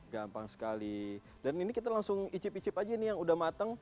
gampang sekali dan ini kita langsung icip icip aja nih yang udah matang